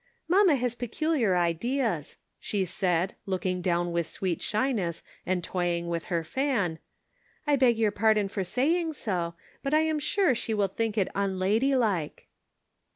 " Mamma has peculiar ideas," she said, look ing down with sweet shyness and toying with her fan. " I beg your pardon for saying so, but I am sure she will think it unladylike."